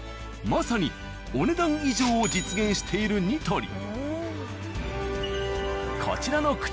まさにお、ねだん以上。を実現している「ニトリ」。